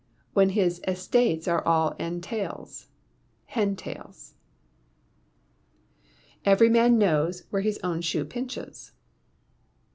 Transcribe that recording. When his estates are all entails (hen tails). [EVERY MAN KNOWS WHERE HIS OWN SHOE PINCHES.